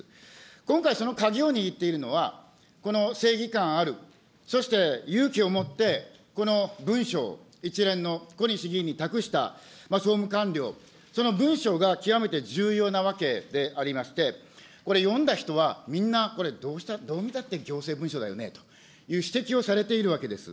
今回、その鍵を握っているのは、この正義感ある、そして勇気をもってこの文書を一連の小西議員に託した総務官僚、その文章が極めて重要なわけでありまして、これ、読んだ人はみんな、これ、どう見たって行政文書だよねという指摘をされているわけです。